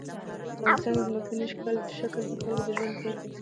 په افغانستان کې ځمکنی شکل د خلکو د ژوند په کیفیت تاثیر کوي.